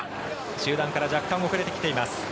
集団から若干遅れてきています。